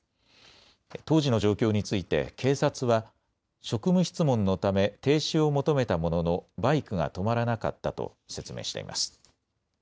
当時の状況について警察は職務質問のため停止を求めたもののバイクが止まらなかったと説明しています。